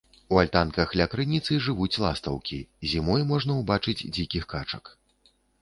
У альтанках ля крыніцы жывуць ластаўкі, зімой можна ўбачыць дзікіх качак.